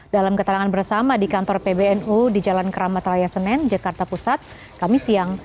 dalam keterangan bersama di kantor pbnu di jalan keramat raya senen jakarta pusat kami siang